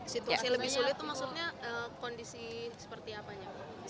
situasi lebih sulit itu maksudnya kondisi seperti apanya